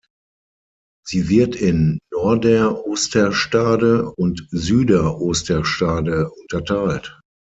Sie wird in Norder-Osterstade und Süder-Osterstade unterteilt.